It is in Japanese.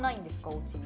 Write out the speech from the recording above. おうちに。